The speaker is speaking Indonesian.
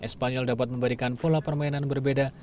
spanyol dapat memberikan pola permainan berbeda